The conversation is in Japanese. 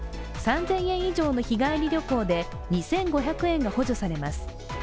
３０００円以上の日帰り旅行で２５００円が補助されます。